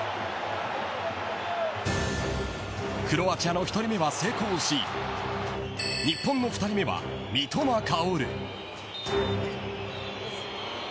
クロアチアの１人目は成功し日本の２人目は三笘薫。